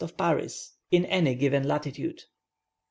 of Paris, in any given latitude.